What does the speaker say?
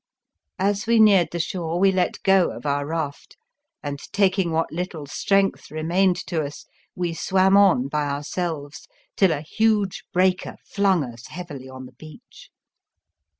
As we neared the shore we let go of our raft, and, taking what little strength re mained to us, we swam on by ourselves till a huge breaker flung us heavily on the beach.